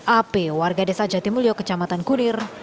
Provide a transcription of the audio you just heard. ap warga desa jatimulyo kecamatan kunir